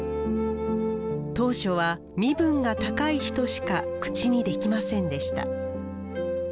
当初は身分が高い人しか口にできませんでした。